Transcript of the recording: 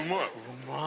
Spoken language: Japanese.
うまい！